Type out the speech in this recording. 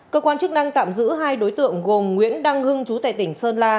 cơ quan chức năng tạm giữ hai đối tượng gồm nguyễn đăng hưng chú tại tỉnh sơn la